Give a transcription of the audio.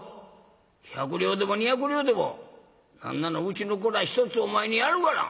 百両でも２百両でも何ならうちの蔵１つお前にやるがな。